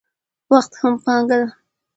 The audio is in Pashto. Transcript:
وخت هم پانګه ده.